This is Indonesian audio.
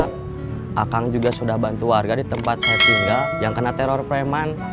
akang juga sudah bantu warga di tempat saya tinggal yang kena teror preman